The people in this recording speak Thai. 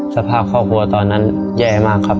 สภาพครอบครัวตอนนั้นแย่มากครับ